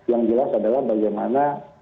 yang jelas adalah bagaimana